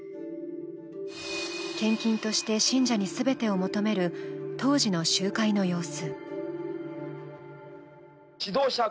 献金として信者に全てを求める当時の集会の様子。